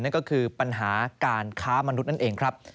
นั่นก็คือปัญหาการค้ามนุษย์นั่นเองครับ